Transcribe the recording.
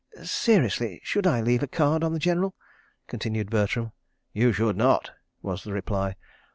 "Seriously—should I leave a card on the General?" continued Bertram. "You should not," was the reply.